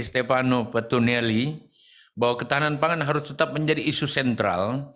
stefano petuneli bahwa ketahanan pangan harus tetap menjadi isu sentral